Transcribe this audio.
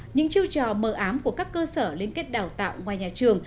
những chiêu trò mờ ám của các cơ sở liên kết đào tạo ngoài nhà trường